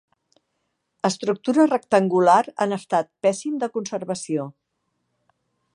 Estructura rectangular en estat pèssim de conservació.